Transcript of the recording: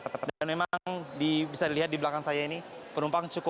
dan memang bisa dilihat di belakang saya ini penumpang cukup